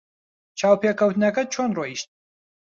چاوپێکەوتنەکەت چۆن ڕۆیشت؟